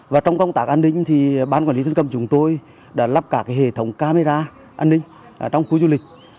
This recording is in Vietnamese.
và trong công tác an ninh thì bán quản lý thiên cầm chúng tôi đã lắp cả cái hệ thống camera an ninh trong khu du lịch